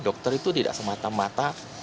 dokter itu tidak semata mata